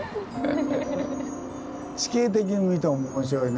地形的に見ても面白いね。